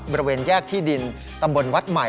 บริเวณแยกที่ดินตำบลวัดใหม่